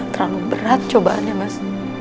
terlalu berat cobaannya mas